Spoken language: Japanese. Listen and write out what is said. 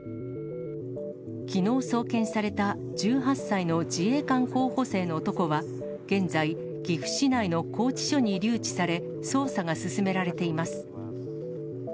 きのう送検された１８歳の自衛官候補生の男は、現在、岐阜市内の拘置所に留置され、捜査が進められています。